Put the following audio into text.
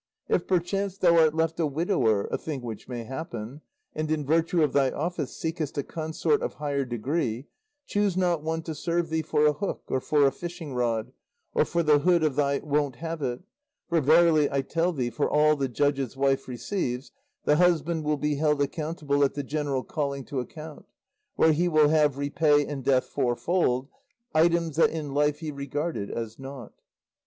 "If perchance thou art left a widower a thing which may happen and in virtue of thy office seekest a consort of higher degree, choose not one to serve thee for a hook, or for a fishing rod, or for the hood of thy 'won't have it;' for verily, I tell thee, for all the judge's wife receives, the husband will be held accountable at the general calling to account; where he will have repay in death fourfold, items that in life he regarded as naught.